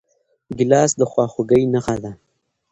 ګیلاس د خواخوږۍ نښه ده.